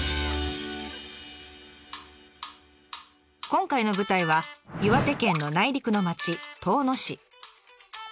今回の舞台は岩手県の内陸の町遠野市。